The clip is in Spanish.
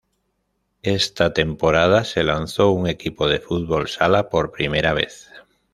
Esta temporada se lanzó un equipo de "fútbol sala" por primera vez.